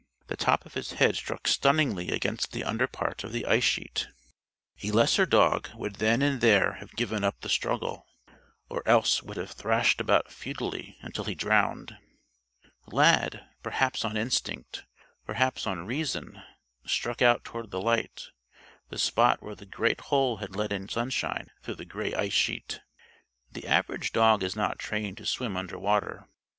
The top of his head struck stunningly against the underpart of the ice sheet. A lesser dog would then and there have given up the struggle, or else would have thrashed about futilely until he drowned. Lad, perhaps on instinct, perhaps on reason, struck out toward the light the spot where the great hole had let in sunshine through the gray ice sheet. The average dog is not trained to swim under water.